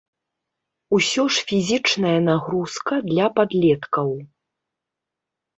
Усё ж фізічная нагрузка для падлеткаў.